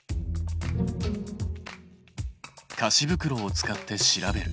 かしぶくろを使って調べる。